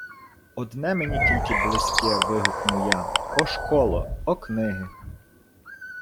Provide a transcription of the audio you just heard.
Одне мені тільки близьке, вигукну я: о школо, о книги!